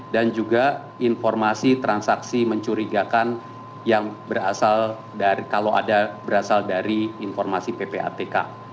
dan juga informasi transaksi mencurigakan yang berasal dari kalau ada berasal dari informasi ppatk